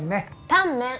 タンメン！